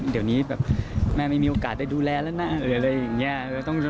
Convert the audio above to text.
เดี๋ยวนี้แบบแม่ไม่มีโอกาสได้ดูแลแล้วนะหรืออะไรอย่างนี้